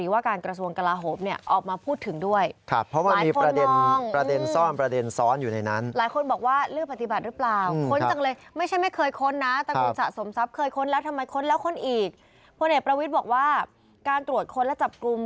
อีกพระเนตรประวิทย์บอกว่าการตรวจคนและจับกลุ่ม